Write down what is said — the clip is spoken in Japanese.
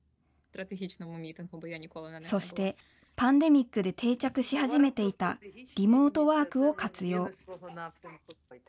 そして、パンデミックで定着し始めていたリモートワークを活用。